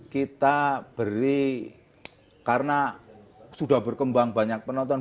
kita beri karena sudah berkembang banyak penonton